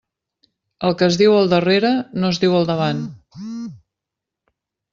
El que es diu al darrere no es diu al davant.